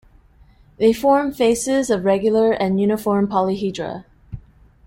They form faces of regular and uniform polyhedra.